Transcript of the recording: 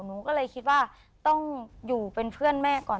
หนูก็เลยคิดว่าต้องอยู่เป็นเพื่อนแม่ก่อน